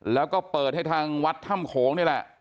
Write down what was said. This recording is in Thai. แล้วก็เปิดให้ทางวัดถ้ำโขงนี่แหละ